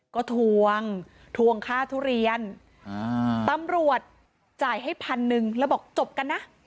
ก็ทวงทวงค่าทุเรียนตำรวจจ่ายให้พันหนึ่งแล้วบอกจบกันนะ